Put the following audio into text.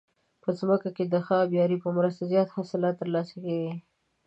په ځمکه کې د ښه آبيارو په مرسته زیات حاصل ترلاسه کیږي.